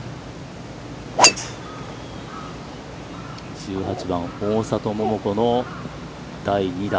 １８番、大里桃子の第２打。